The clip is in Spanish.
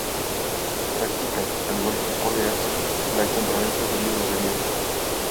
Practica, al igual que sus colegas, la compraventa de libros de viejo.